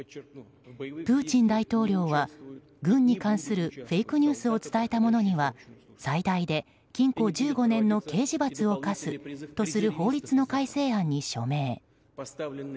プーチン大統領は軍に関するフェイクニュースを伝えた者には最大で禁錮１５年の刑事罰を科すとする法律の改正案に署名。